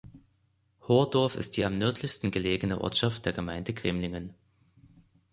Hordorf ist die am nördlichsten gelegene Ortschaft der Gemeinde Cremlingen.